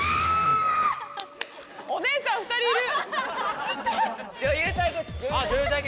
お姉さん２人いる。